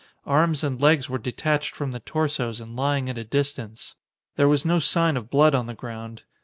Arms and legs were detached from the torsos and lying at a distance. There was no sign of blood on the ground.